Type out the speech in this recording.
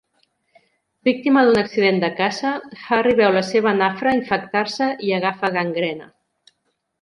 Víctima d'un accident de caça, Harry veu la seva nafra infectar-se i agafa gangrena.